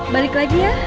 balik lagi ya